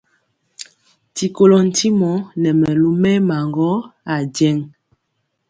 D@Ti kolɔ ntimɔ nɛ mɛlu mɛɛma gɔ ajeŋg.